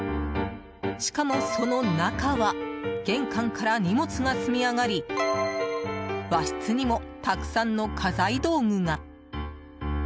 しかも、その中は玄関から荷物が積み上がり和室にも、たくさんの家財道具が。